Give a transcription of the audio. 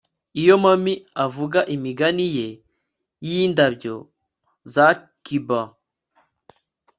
iyo mami avuga imigani ye yindabyo za cuba